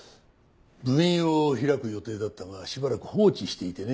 分院を開く予定だったがしばらく放置していてね。